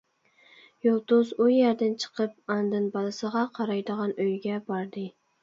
يۇلتۇز ئۇ يەردىن چىقىپ ئاندىن بالىسىغا قارايدىغان ئۆيگە باردى.